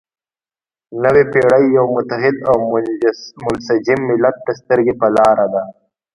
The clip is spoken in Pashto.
نوې پېړۍ یو متحد او منسجم ملت ته سترګې په لاره ده.